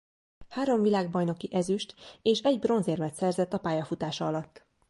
Három világbajnoki ezüst- és egy bronzérmet szerzett a pályafutása alatt.